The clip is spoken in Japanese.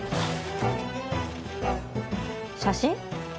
写真？